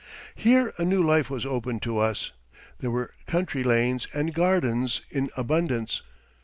Here a new life was opened to us. There were country lanes and gardens in abundance.